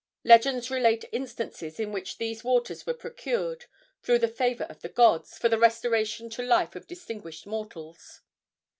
Legends relate instances in which these waters were procured, through the favor of the gods, for the restoration to life of distinguished mortals.